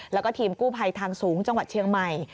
แล้วก็ทีมกู้ภัยทางสูงจังหวัดเชียงใหม่